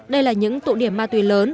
đây là những tụ điểm ma túy lớn